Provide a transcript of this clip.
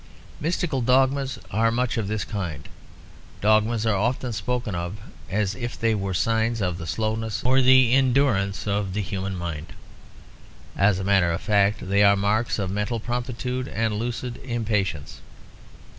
Mystical dogmas are much of this kind. Dogmas are often spoken of as if they were signs of the slowness or endurance of the human mind. As a matter of fact, they are marks of mental promptitude and lucid impatience.